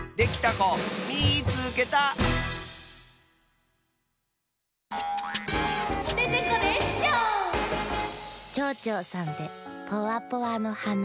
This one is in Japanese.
ちょうちょうさんで「ポワポワのはな」。